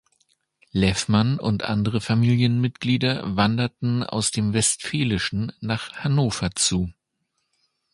Leffmann und andere Familienmitglieder wanderten aus dem Westfälischen nach Hannover zu.